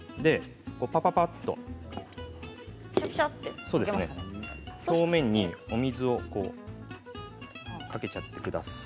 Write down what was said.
ぱっぱっぱっと表面にお水をかけちゃってください。